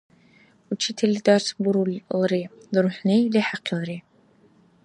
Учительли дарс бурулри, дурхӀни лехӀахъилри.